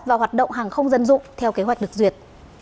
và hoạt động hàng không dân dụng theo kế hoạch được duyệt